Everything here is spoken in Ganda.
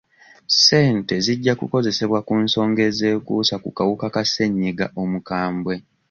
Ssente zijja kukozesebwa ku nsonga ezekuusa ku kawuka ka ssenyiga omukambwe.